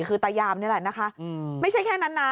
คือตายามนี่แหละนะคะไม่ใช่แค่นั้นนะ